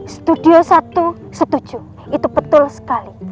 studio satu setuju itu betul sekali